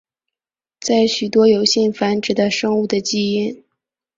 在许多有性繁殖的生物的基因。